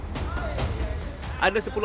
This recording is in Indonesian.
ini adalah salah satu bagian dari kerja